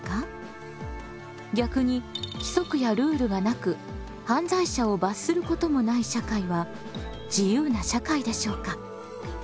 逆に規則やルールがなく犯罪者を罰することもない社会は自由な社会でしょうか？